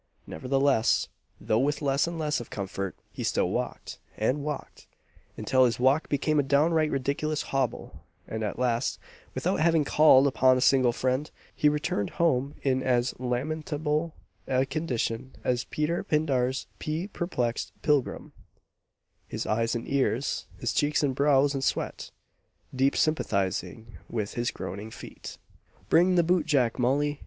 Nevertheless though with less and less of comfort, he still walked, and walked, until his walk became a downright ridiculous hobble; and at last, without having called upon a single friend, he returned home in as lamentable a condition as Peter Pindar's pea perplexed Pilgrim "His eyes in tears, his cheeks and brows in sweat, Deep sympathizing with his groaning feet!" "Bring the boot jack, Molly!"